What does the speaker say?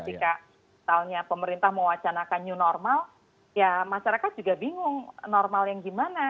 jika misalnya pemerintah mewacanakan new normal ya masyarakat juga bingung normal yang gimana